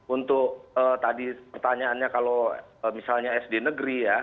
untuk tadi pertanyaannya kalau misalnya sd negeri ya